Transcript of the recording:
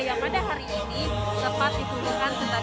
yang pada hari ini lepas dituliskan sebagai